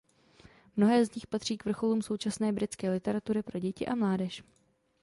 Mnohé z nich patří k vrcholům současné britské literatury pro děti a mládež.